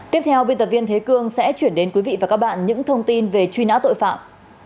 tiếp theo biên tập viên thế cương sẽ chuyển đến quý vị và các bạn những thông tin về truy nã tội phạm